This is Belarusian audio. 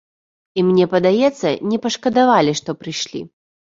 І, мне падаецца, не пашкадавалі, што прыйшлі.